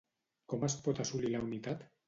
Com es pot assolir la unitat?